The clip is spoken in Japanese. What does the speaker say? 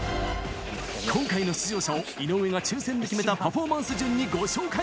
今回の出場者を、井上が抽せんで決めたパフォーマンス順にご紹介。